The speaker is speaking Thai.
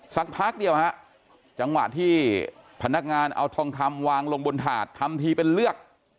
สักพักเดียวฮะจังหวะที่พนักงานเอาทองคำวางลงบนถาดทำทีเป็นเลือก